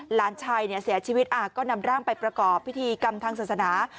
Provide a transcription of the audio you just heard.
หลานชายเสียชีวิตก็นำร่างไปประกอบพิธีกรรมทางศาสนา